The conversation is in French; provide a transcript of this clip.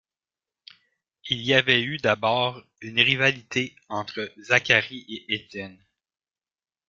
Il y avait eu d’abord une rivalité entre Zacharie et Étienne.